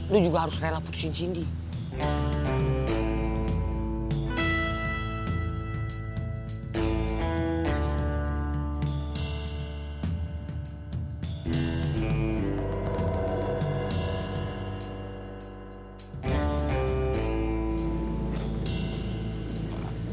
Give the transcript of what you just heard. lu juga harus rela putusin cindy